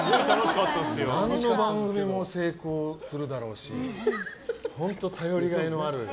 何の番組も成功するだろうし本当、頼りがいのある。